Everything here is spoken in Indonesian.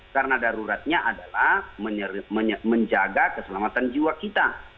karena daruratnya adalah menjaga keselamatan jiwa kita